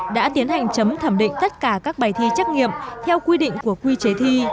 đã tiến hành chấm thẩm định tất cả các bài thi trắc nghiệm theo quy định của quy chế thi